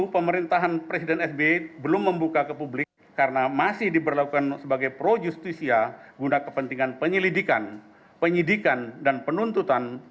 penyelidikan dan penuntutan